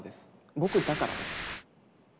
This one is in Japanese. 僕だからです。